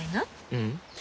ううん。